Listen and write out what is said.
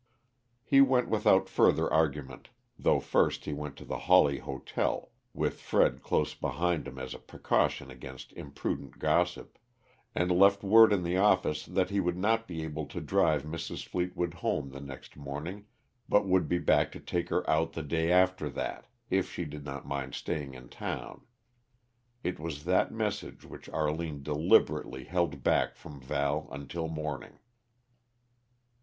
He went without further argument, though first he went to the Hawley Hotel with Fred close beside him as a precaution against imprudent gossip and left word in the office that he would not be able to drive Mrs. Fleetwood home, the next morning, but would be back to take her out the day after that, if she did not mind staying in town. It was that message which Arline deliberately held back from Val until morning.